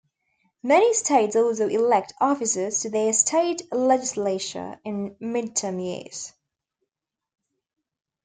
Many states also elect officers to their state legislatures in midterm years.